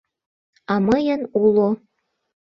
А мыйын уло.